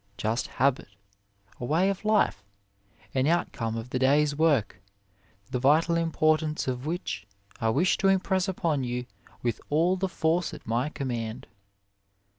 Just habit, a way of life, an outcome of the day s work, the vital importance of which I wish to impress upon you with all the force at my command.